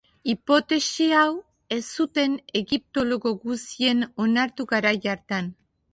Hipotesi hau, ez zuten egiptologo guztiek onartu garai hartan.